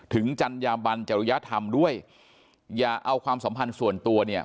จัญญาบันจริยธรรมด้วยอย่าเอาความสัมพันธ์ส่วนตัวเนี่ย